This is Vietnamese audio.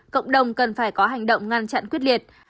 cộng đồng cần phải có hành động ngăn chặn quyết liệt